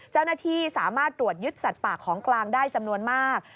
เจ้าหน้าที่สามารถตรวจยึดสัตว์ป่าของกลางได้จำนวนมาก